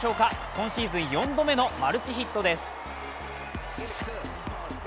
今シーズン４度目のマルチヒットです。